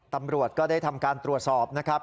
ตำรวจก็ได้ทำการตรวจสอบนะครับ